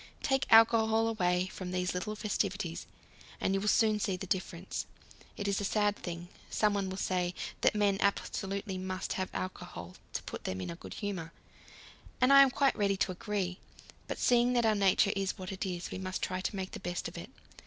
Take alcohol away from these little festivities, and you will soon see the difference. It is a sad thing, someone will say, that men absolutely must have alcohol to put them in a good humour and I am quite ready to agree. But seeing that our nature is what it is, we must try to make the best of it.